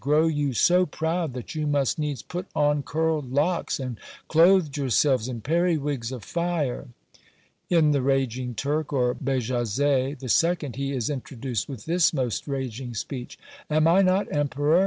grow you So proud, that you must needs put on curled locks, And clothe yourselves in periwigs of fire!" In the Raging Turk, or Bajazet the Second, he is introduced with this most raging speech: Am I not emperor?